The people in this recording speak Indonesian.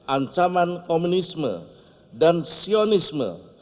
ancaman komunisme dan sionisme